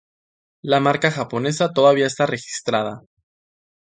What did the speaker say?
La marca japonesa todavía está registrada.